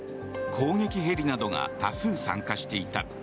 攻撃ヘリなどが多数参加していた。